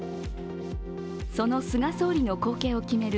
その菅総理の後継を決める